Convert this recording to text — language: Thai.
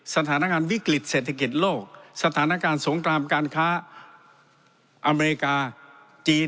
สถานการณ์วิกฤตเศรษฐกิจโลกสถานการณ์สงครามการค้าอเมริกาจีน